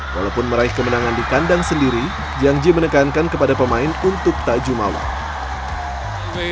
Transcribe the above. walaupun meraih kemenangan di kandang sendiri jiang ji menekankan kepada pemain untuk tajum awal